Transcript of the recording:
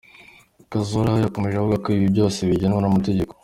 Kazora yakomeje avuga ko ibi byose bigenwa n’itegeko.